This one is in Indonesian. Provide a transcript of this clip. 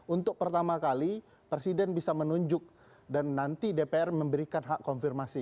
untuk pertama kali presiden bisa menunjuk dan nanti dpr memberikan hak konfirmasi